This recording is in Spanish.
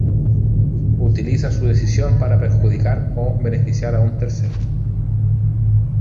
Utiliza su decisión para perjudicar o beneficiar a un tercero.